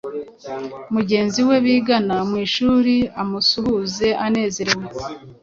mugenzi we bigana mu ishuri, amusuhuze anezerewe